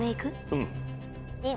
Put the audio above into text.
うん。